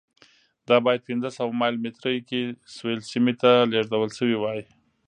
دا باید پنځه سوه مایل مترۍ کې سویل سیمې ته لېږدول شوې وای.